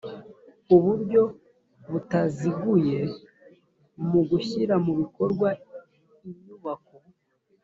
uburyo butaziguye mu gushyira mu bikorwa inyubako